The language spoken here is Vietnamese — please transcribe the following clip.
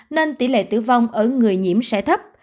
nên tỷ lệ tử vong ở người nhiễm sẽ tăng hơn